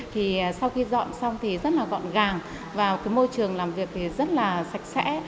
thì sau khi dọn xong thì rất là gọn gàng vào cái môi trường làm việc thì rất là sạch sẽ